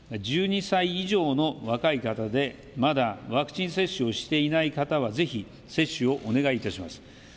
１２歳以上の若い方でまだワクチン接種をしていない方はぜひ接種をお願いいたします。